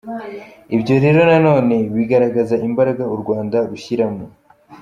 Ibyo rero na none bigaragaza imbaraga u Rwanda rushyiramo.